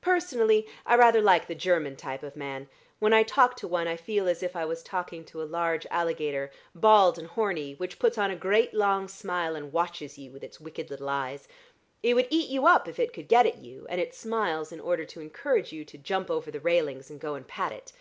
Personally I rather like the German type of man. When I talk to one I feel as if I was talking to a large alligator, bald and horny, which puts on a great, long smile and watches you with its wicked little eyes. It would eat you up if it could get at you, and it smiles in order to encourage you to jump over the railings and go and pat it.